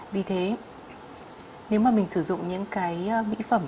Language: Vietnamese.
vì thế nếu mà mình sử dụng những cái mỹ phẩm